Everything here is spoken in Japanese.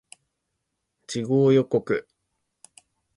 次号予告